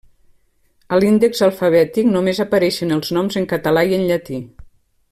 A l'índex alfabètic només apareixen els noms en català i en llatí.